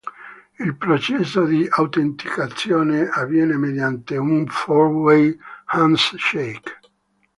Il processo di autenticazione avviene mediante un four-way handshake.